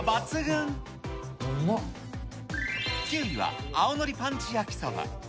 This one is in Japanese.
９位は、青のりパンチやきそば。